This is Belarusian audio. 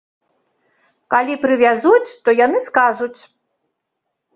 Калі прывязуць, то яны скажуць.